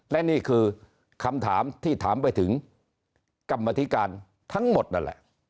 และนี่คือคำถามที่ถามไปถึงกรรมธิการทั้งหมดนั่นแหละ